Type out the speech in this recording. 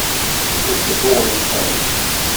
It's a boring pain.